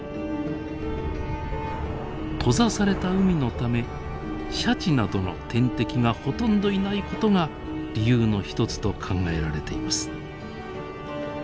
閉ざされた海のためシャチなどの天敵がほとんどいないことが理由の一つと考えられています。